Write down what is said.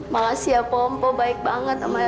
makasih ya po po baik banget sama ella